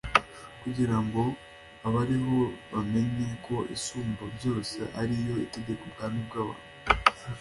kugira ngo abariho bamenye ko Isumbabyose ari yo itegeka ubwami bw abantu